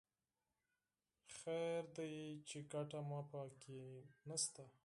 خیر دی چې ګټه مو په کې نه شته.